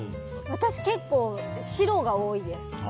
私、結構、白が多いです。